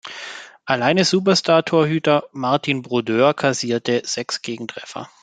Alleine Superstar-Torhüter Martin Brodeur kassierte sechs Gegentreffer.